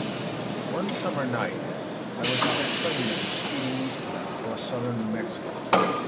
One summer night I was on a train that was speeding eastward across southern New Mexico.